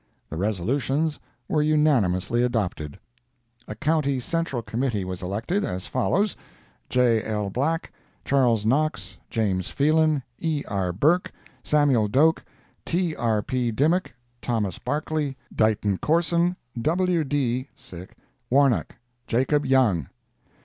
The resolutions were unanimously adopted. A County Central Committee was elected, as follows: J. L. Black, Chas. Knox, Jas. Phelan, E. R. Burke, Samuel Doak, T. R. P. Dimock, Thos. Barclay, Dighton Corson, W. D. Warnock, Jacob Young.